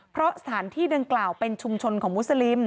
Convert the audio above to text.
เพราะสถานที่ดังกล่าวเป็นชุมชนของมุสลิม